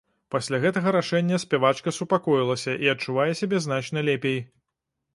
Пасля гэтага рашэння спявачка супакоілася і адчувае сябе значна лепей.